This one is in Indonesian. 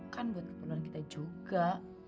kan buat keperluan kita juga